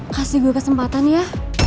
kasih gue kesempatan ya